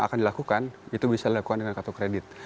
akan dilakukan itu bisa dilakukan dengan kartu kredit